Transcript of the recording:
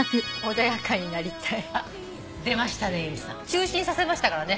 中止にさせましたからね。